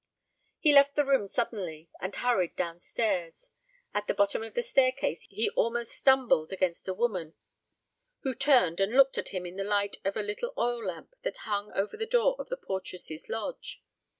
He left the room suddenly, and hurried downstairs. At the bottom of the staircase he almost stumbled against a woman, who turned and looked at him in the light of a little oil lamp that hung over the door of the portress's lodge.